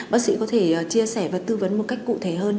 bác sĩ có thể chia sẻ và tư vấn một cách cụ thể hơn